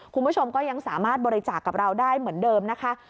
คุณผู้ชมก็ยังสามารถบริจาคกับเราได้เหมือนเดิมนะคะ